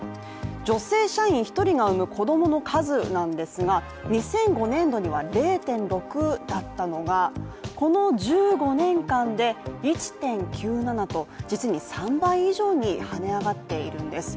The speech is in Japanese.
女性社員一人が産む子供の数なんですが２００５年度には０．６だったのが、この１５年間で１．９７と実に３倍以上にはね上がっているんです。